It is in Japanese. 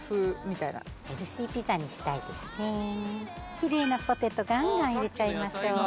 きれいなポテトガンガン入れちゃいましょう。